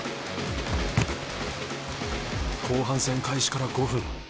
後半戦開始から５分。